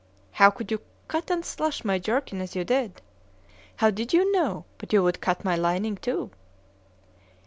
——how could you cut and slash my jerkin as you did?——how did you know but you would cut my lining too?